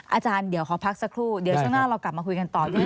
อาจารย์เดี๋ยวขอพักสักครู่เดี๋ยวช่วงหน้าเรากลับมาคุยกันต่อด้วย